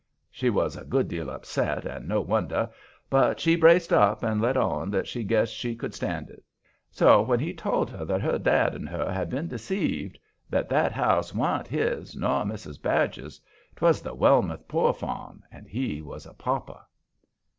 She was a good deal upset, and no wonder, but she braced up and let on that she guessed she could stand it. So then he told her that her dad and her had been deceived, that that house wa'n't his nor Mrs. Badger's; 'twas the Wellmouth poor farm, and he was a pauper.